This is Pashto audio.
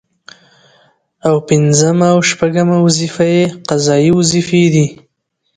او پنځمه او شپومه وظيفه يې قضايي وظيفي دي